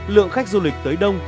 lượng khách du lịch tới đông